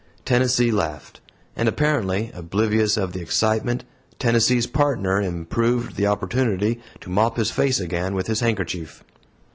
Tennessee laughed. And apparently oblivious of the excitement, Tennessee's Partner improved the opportunity to mop his face again with his handkerchief.